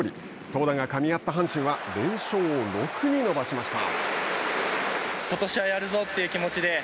投打がかみ合った阪神は連勝を６に伸ばしました。